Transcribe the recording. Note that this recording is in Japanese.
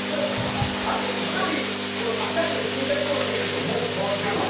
あと１人赤いの引いた人を見るともう怖くなる。